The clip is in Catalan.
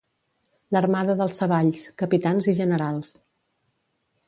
L'armada dels Savalls: capitans i generals.